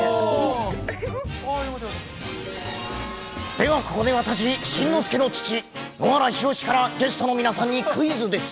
ではここで、私、しんのすけの父、野原ひろしからゲストの皆さんにクイズです。